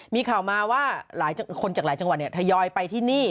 มีข่าวมาว่าหลายคนจากหลายจังหวัดทยอยไปที่นี่